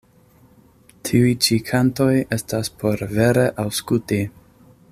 Tiuj ĉi kantoj estas por vere aŭskulti.